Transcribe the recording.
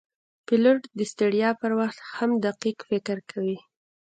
پیلوټ د ستړیا پر وخت هم دقیق فکر کوي.